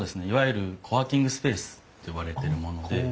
いわゆるコワーキングスペースといわれてるもので。